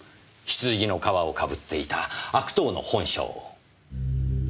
羊の皮をかぶっていた悪党の本性を。